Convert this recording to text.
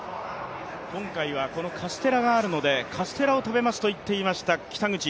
今回はこのカステラがあるので、カステラを食べますと言っていました北口。